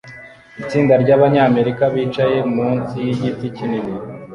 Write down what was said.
Itsinda ryabanyamerika bicaye munsi yigiti kinini